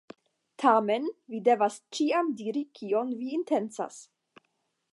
Tamen, vi devas ĉiam diri kion vi intencas.